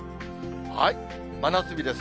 真夏日です。